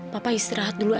papa istirahat dulu aja ya